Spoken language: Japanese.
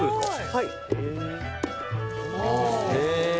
はい。